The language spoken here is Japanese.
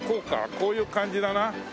こういう感じだな。